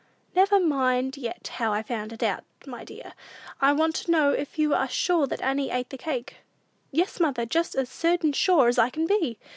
"Never mind yet how I found it out, my dear. I want to know if you are sure that Annie ate the cake?" "Yes, mother: just as certain sure as I can be!